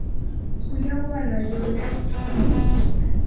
不要忘了有两种路线